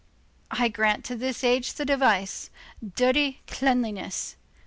I grant to this age the device: 'Dirty Cleanliness.